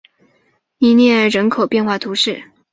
维涅厄勒人口变化图示